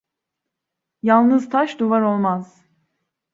Yalnız taş, duvar olmaz.